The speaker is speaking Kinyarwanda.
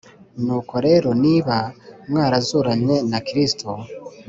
Nuko rero niba mwarazuranywe na Kristo